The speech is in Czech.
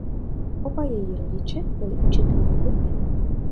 Oba její rodiče byli učitelé hudby.